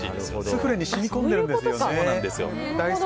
スフレに染み込んでるんですよね。